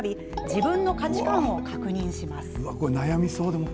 自分の価値観を確認します。